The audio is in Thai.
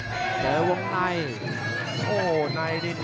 อื้อหือจังหวะขวางแล้วพยายามจะเล่นงานด้วยซอกแต่วงใน